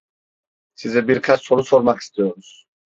Size birkaç soru sormak istiyoruz.